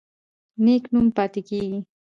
نیک نوم پاتې کیږي